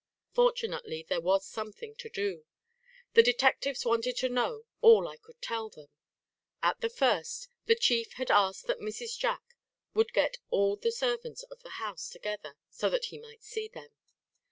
Fortunately there was something to do. The detectives wanted to know all I could tell them. At the first, the chief had asked that Mrs. Jack would get all the servants of the house together so that he might see them.